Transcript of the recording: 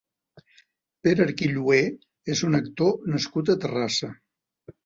Pere Arquillué és un actor nascut a Terrassa.